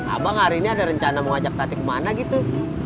abang hari ini ada rencana mau ngajak tati kemana gitu